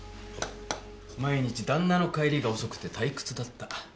毎日だんなの帰りが遅くて退屈だった。